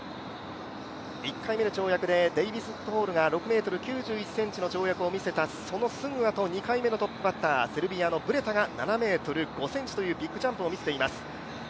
１回目の跳躍でデイビスウッドホールが６ｍ９１ｃｍの跳躍を見せたそのすぐあと２回目のトップバッター、セルビアのブレタが７ｍ５ｃｍというビッグジャンプを見せています。